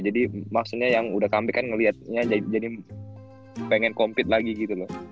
jadi maksudnya yang udah comeback kan ngelihatnya jadi pengen compete lagi gitu loh